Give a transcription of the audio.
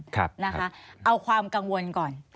ครับนะคะเอาความกังวลก่อน